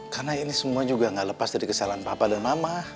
karena ini semua juga gak lepas dari kesalahan papa dan mama